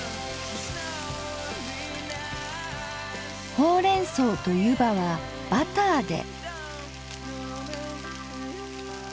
ほうれん草とゆばはバターで。